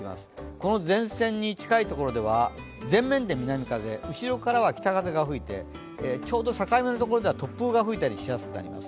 この前線に近いところでは、前面で南風、後ろからは北風が吹いてちょうど境目の所では突風が吹いたりしやすくなります。